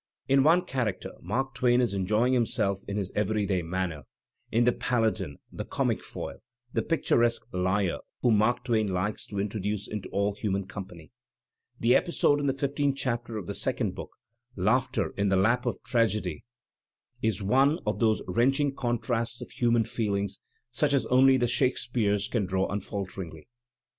In one character Mark Twain is enjoying himself in his everyday manner — in the Paladin, the comic foil, the picturesque liar whom Mark Twain likes to introduce into all human company. The episode in the Fifteenth Chapter of the Second Book, laughter in the lap Digitized by Google 270 THE SPmiT OF AMERICAN UTERATUItE of tragedy, is one of those wrenching contrasts of human feelings such as only the Shakespeares can draw unfalteringly.